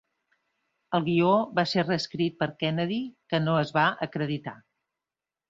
El guió va ser reescrit per Kennedy, que no es va acreditar.